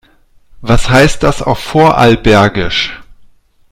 Was heißt das auf Vorarlbergisch?